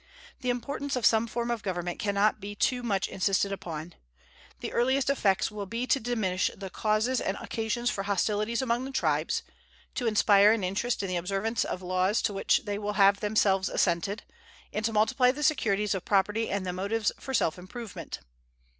The importance of some form of government can not be too much insisted upon. The earliest effects will be to diminish the causes and occasions for hostilities among the tribes, to inspire an interest in the observance of laws to which they will have themselves assented, and to multiply the securities of property and the motives for self improvement.